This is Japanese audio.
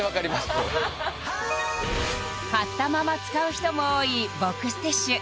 それ買ったまま使う人も多いボックスティッシュ